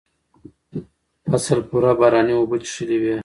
فصل پوره باراني اوبه څښلې وې.